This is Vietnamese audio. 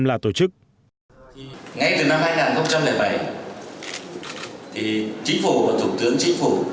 ngay từ năm hai nghìn bảy thủ tướng chính phủ